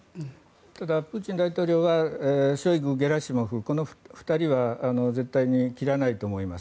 ただ、プーチン大統領はショイグ、ゲラシモフこの２人は絶対に切らないと思います。